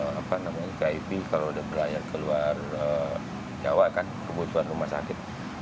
apa namanya kip kalau udah berlayar ke luar jawa kan kebutuhan rumah sakit